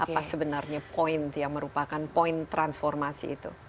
apa sebenarnya poin yang merupakan poin transformasi itu